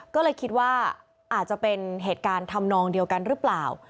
ก็เลยคิดว่าอาจจะเป็นเหตุการณ์ทำนองเดียวกันหรือเปล่า